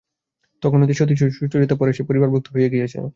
তখন হইতে সতীশ ও সুচরিতা পরেশের পরিবারভুক্ত হইয়া গিয়াছিল।